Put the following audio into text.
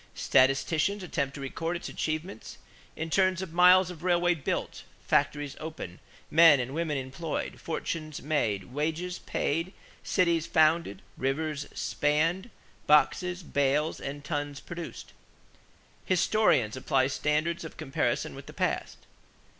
Statisticians attempt to record its achievements in terms of miles of railways built, factories opened, men and women employed, fortunes made, wages paid, cities founded, rivers spanned, boxes, bales, and tons produced. Historians apply standards of comparison with the past.